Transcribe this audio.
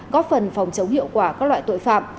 góp phần phòng chống hiệu quả các loại tội phạm